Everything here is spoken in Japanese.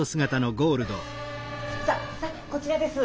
さっさあこちらです。